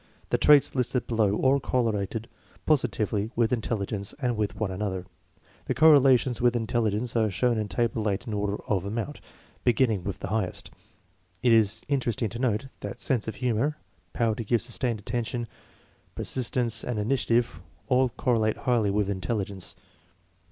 The traits listed below all correlated positively with intelli gence and with one another. The correlations with intelligence are shown in Table 8 in order of amount, beginning with the highest. It is interesting to note that sense of humor, power to give sustained attention, persistence, and initiative all correlate highly with intelligence.